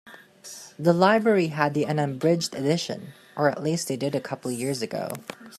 The library have the unabridged edition, or at least they did a couple of years ago.